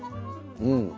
うん。